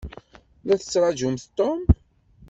La tettṛaǧumt Tom?